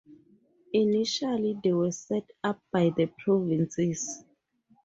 Initially they were set up by the Provinces.